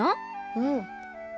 うん。